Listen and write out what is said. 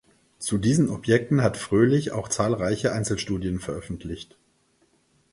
Zu diesen Objekten hat Frölich auch zahlreiche Einzelstudien veröffentlicht.